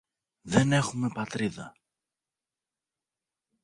Δεν έχουμε Πατρίδα!